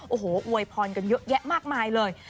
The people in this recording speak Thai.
โอ้โหอวยพรกันเยอะแยะมากมายเลย